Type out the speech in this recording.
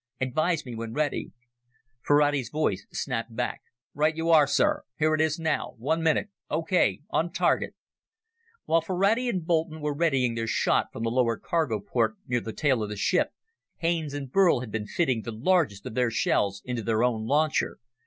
Advise me when ready!" Ferrati's voice snapped back. "Right you are, sir. Here it is now, one minute okay, on target!" While Ferrati and Boulton were readying their shot from the lower cargo port near the tail of the ship, Haines and Burl had been fitting the largest of their shells into their own launcher.